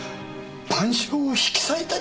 『晩鐘』を引き裂いたりしてみろ！